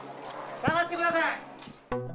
下がってください！